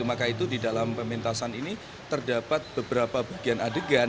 maka itu di dalam pementasan ini terdapat beberapa bagian adegan